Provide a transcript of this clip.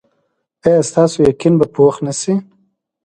ایا ستاسو یقین به پوخ نه شي؟